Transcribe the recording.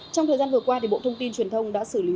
trong thời gian vừa qua bộ thông tin truyền thông đã xử lý